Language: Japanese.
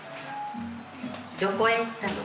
どこへ行ったの？